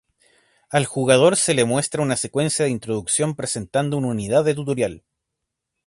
Al jugador se le muestra una secuencia de introducción presentando una unidad de tutorial.